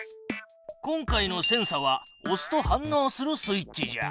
今回のセンサはおすと反のうするスイッチじゃ。